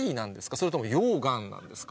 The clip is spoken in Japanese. それとも溶岩なんですか？